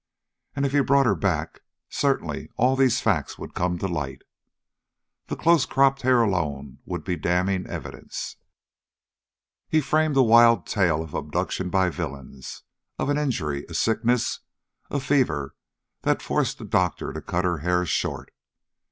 And if he brought her back, certainly all these facts would come to light. The close cropped hair alone would be damning evidence. He framed a wild tale of abduction by villains, of an injury, a sickness, a fever that forced a doctor to cut her hair short.